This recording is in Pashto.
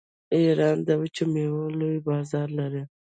ایران د وچو میوو لوی بازار لري.